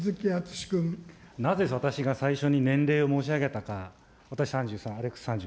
なぜ、私が最初に年齢を申し上げたか、私３３、アレックス３７。